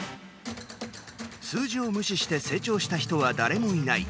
「数字を無視して成長した人は誰もいない」。